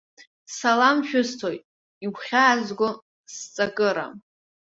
Салам шәысҭоит, игәхьаазго сҵакыра!